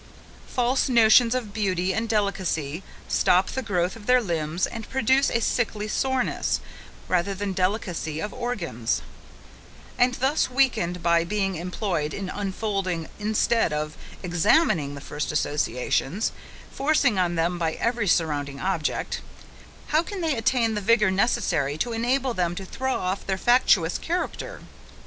False notions of beauty and delicacy stop the growth of their limbs and produce a sickly soreness, rather than delicacy of organs; and thus weakened by being employed in unfolding instead of examining the first associations, forced on them by every surrounding object, how can they attain the vigour necessary to enable them to throw off their factitious character?